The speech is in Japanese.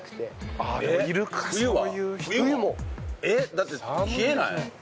だって冷えない？